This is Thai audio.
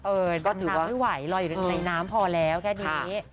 น้ำไม่ไหวลอยอยู่ในน้ำพอแล้วแค่นี้